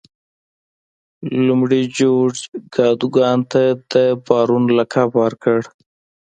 لومړي جورج کادوګان ته د بارون لقب ورکړ.